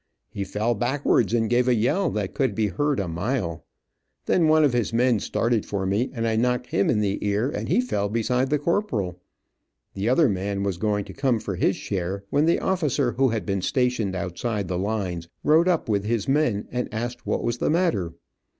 He fell backwards, and gave a yell that could have been heard a mile. Then one of his men started for me and I knocked him in the ear, and he fell beside the corporal. The other man was going to come for his share, when the officer who had been stationed outside the lines rode up with his men and asked what was the matter.